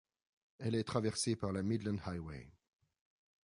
Elle est traversée par la Midland Highway.